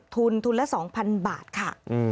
ทุนทุนละ๒๐๐๐บาทค่ะ